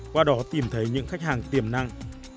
qua đó tìm thấy những khách hàng tiềm năng